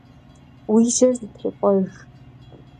Vui jer zetêp'ejj!